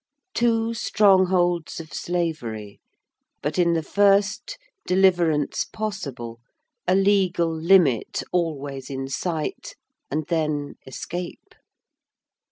Two strongholds of slavery; but in the first, deliverance possible, a legal limit always in sight, and then, escape.